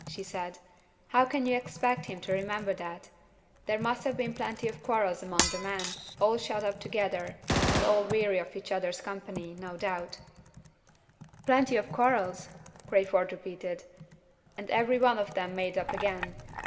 she said; "how can you expect him to remember that? There must have been plenty of quarrels among the men, all shut up together, and all weary of each other's company, no doubt." "Plenty of quarrels!" Crayford repeated; "and every one of them made up again."